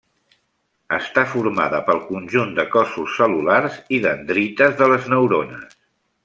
Està formada pel conjunt de cossos cel·lulars i dendrites de les neurones.